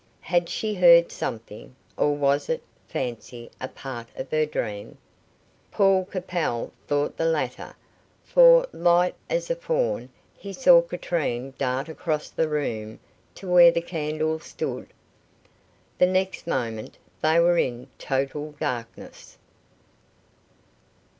Had she heard something, or was it fancy a part of her dream? Paul Capel thought the latter, for, light as a fawn, he saw Katrine dart across the room to where the candle stood. The next moment they were in total darkness.